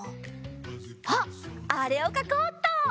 あっあれをかこうっと！